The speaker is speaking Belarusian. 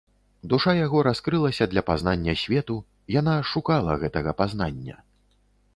Душа яго раскрылася для пазнання свету, яна шукала гэтага пазнання.